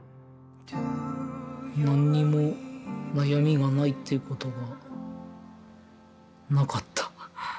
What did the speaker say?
何にも悩みがないっていうことがなかった。